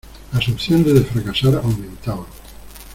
Las opciones de fracasar aumentaban.